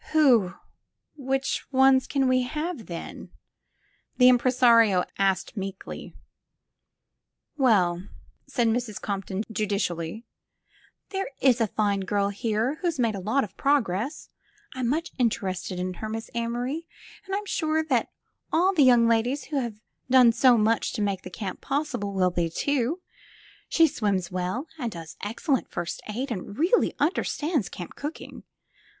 '*Who — ^which ones can we have, then?" the im presario asked meekly. ''Well," said Mrs. Compton judicially, "there is a fine girl here who's made a lot of progress. I^ much interested in her. Miss Amory, and I'm sure that all the young ladies who have done so much to make th^ camp possible will be, too. She swims well and does ex cellent First Aid and really understands camp cooking.